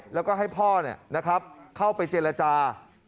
แล้วก็ให้พ่อเข้าไปเจรจา